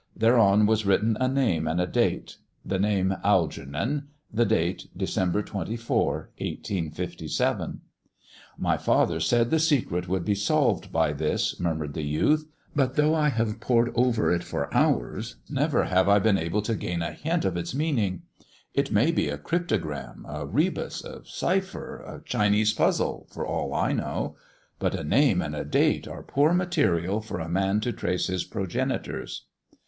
Thereon was written a name and a date — the name, " Algernon "; the date, " December 24, 1857." " My father said the secret could be solved by this," miumured the youth ;" but though I have pored over it for hours, never have I been able to gain a hint of its meaning. It may be a cryptogram, a rebus, a cipher, a Chinese puzzle, for all I know. But a name and a date are poor material for a man to trace his progenitors."